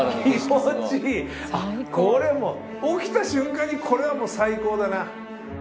これはもう起きた瞬間にこれは最高だな。